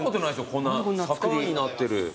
こんな坂になってる。